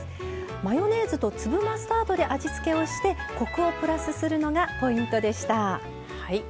マヨネーズと粒マスタードで味付けをしてコクをプラスするのがポイントでした。